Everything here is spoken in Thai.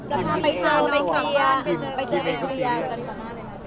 จะพาไปเจอไปเคลียร์ไปเจอกันตอนหน้าได้ไหม